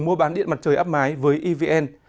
mua bán điện mặt trời áp mái với evn